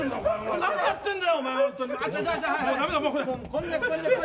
何やってんだよ！